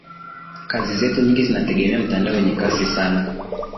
kazi zetu nyingi zinategemea mtandao wenye kasi sana